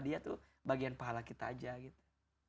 dia tuh bagian pahala kita aja gitu